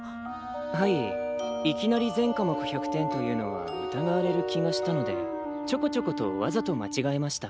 はいいきなり全科目１００点というのは疑われる気がしたのでちょこちょことわざとまちがえました。